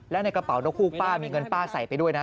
และในกระเป๋านกฮูกป้ามีเงินป้าใส่ไปด้วยนะ